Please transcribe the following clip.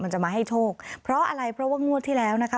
จะมาให้โชคเพราะอะไรเพราะว่างวดที่แล้วนะคะ